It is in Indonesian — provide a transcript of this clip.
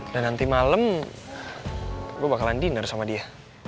dan nanti malem gua bakalan diner sama dia